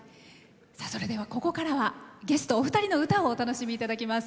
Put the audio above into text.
それではここからはゲストお二人の歌をお楽しみいただきます。